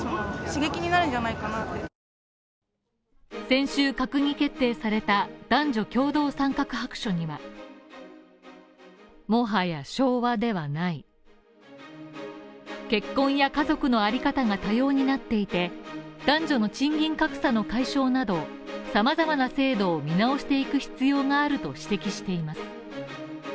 先週、閣議決定された男女共同参画白書には結婚や家族の在り方が多様になっていて男女の賃金格差の解消など、さまざまな制度を見直していく必要があると指摘しています。